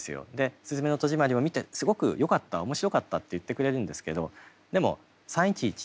「すずめの戸締まり」を見てすごくよかった面白かったって言ってくれるんですけどでも３．１１ってピンと来ないんですよね。